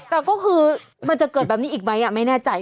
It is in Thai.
แต่ก็คือมันจะเกิดแบบนี้อีกไหมไม่แน่ใจ